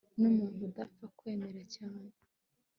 Numuntu udapfa kwemera cyane